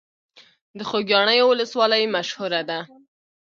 د خوږیاڼیو ولسوالۍ مشهوره ده